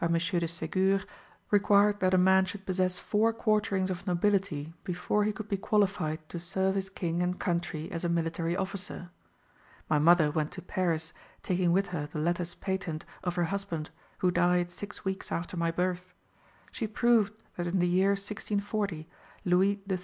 de Segur, required that a man should possess four quarterings of nobility before he could be qualified to serve his king and country as a military officer. My mother went to Paris, taking with her the letters patent of her husband, who died six weeks after my birth. She proved that in the year 1640 Louis XIII.